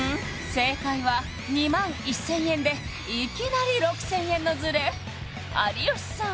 正解は２万１０００円でいきなり６０００円のズレ有吉さん